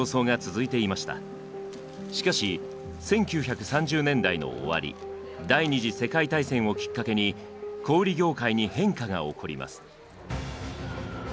しかし１９３０年代の終わり第２次世界大戦をきっかけに小売業界に変化が起こります。